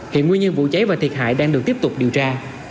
hiện nguyên nhân vụ cháy và thiệt hại đang được tiếp tục điều tra